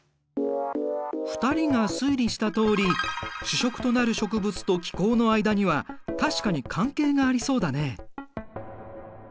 ２人が推理したとおり主食となる植物と気候の間には確かに関係がありそうだね。